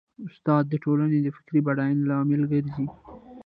استاد د ټولنې د فکري بډاینې لامل ګرځي.